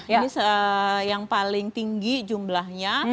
ini yang paling tinggi jumlahnya